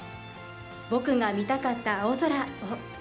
僕が見たかった青空を。